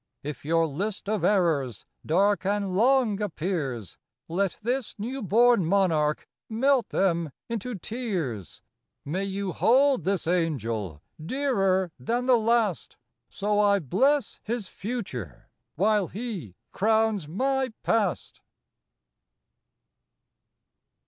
135 If your list of Errors Dark and long appears, Let this new born Monarch Melt them into tears. May you hold this Angel Dearer than the last, — So I bless his Future, While he crowns my Past.